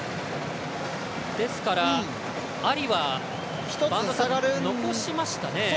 ですから、アリは残しましたね。